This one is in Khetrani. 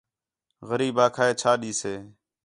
غریب آکھا ہِے چَھا ݙیسے